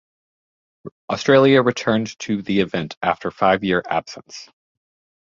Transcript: Australia returned to the event after five year absence.